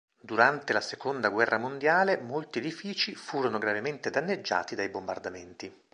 Durante la seconda guerra mondiale molti edifici furono gravemente danneggiati dai bombardamenti.